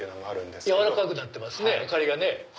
やわらかくなってます明かりが。